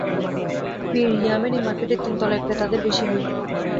পীর ইয়ামেনী মার্কেটের তিনতলায় ক্রেতাদের বেশি ভিড়।